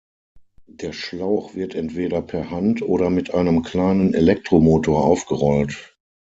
Der Schlauch wird entweder per Hand oder mit einem kleinen Elektromotor aufgerollt.